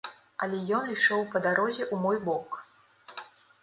Але ён ішоў па дарозе ў мой бок.